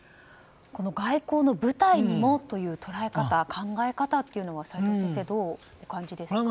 外交の舞台にもという捉え方考え方というのは齋藤先生、どうお感じですか。